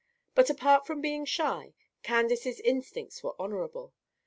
But apart from being shy, Candace's instincts were honorable.